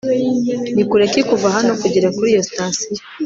Ni kure ki kuva hano kugera kuri iyo sitasiyo